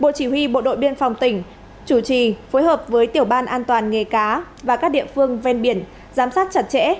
bộ chỉ huy bộ đội biên phòng tỉnh chủ trì phối hợp với tiểu ban an toàn nghề cá và các địa phương ven biển giám sát chặt chẽ